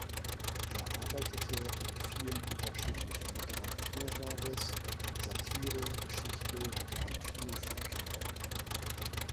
Er arbeitete in vielen unterschiedlichen Literaturgenres: Satire, Geschichte, Literatur für Kinder.